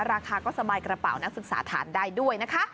ราคาก็สบายกระเป๋านักศึกษาทานได้ด้วยนะคะ